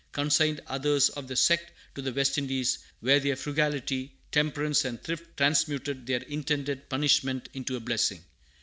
consigned others of the sect to the West Indies, where their frugality, temperance, and thrift transmuted their intended punishment into a blessing.